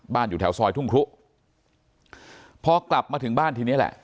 อยู่แถวซอยทุ่งครุพอกลับมาถึงบ้านทีนี้แหละ